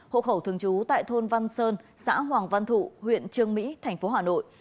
hộ khẩu thường trú tại thôn văn sơn xã hoàng văn thụ huyện trương mỹ tp hà nội